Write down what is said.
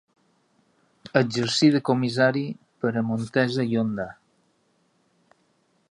Exercí de comissari per a Montesa i Honda.